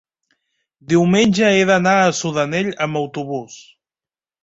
diumenge he d'anar a Sudanell amb autobús.